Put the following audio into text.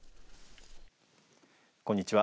こんにちは。